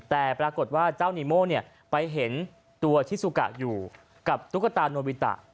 แต่ปรากฏว่าเจ้านีโม่ไปเห็นตัวชิสุกะอยู่กับตุ๊กตาโนบิตะ